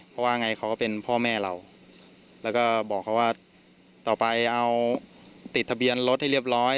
เพราะว่าไงเขาก็เป็นพ่อแม่เราแล้วก็บอกเขาว่าต่อไปเอาติดทะเบียนรถให้เรียบร้อย